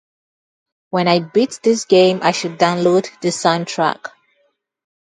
When I beat this game I should download the soundtrack.